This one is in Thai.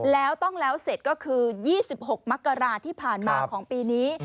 แล้วต้องแล้วเสร็จก็คือ๒๖มกราที่ผ่านมาของปีนี้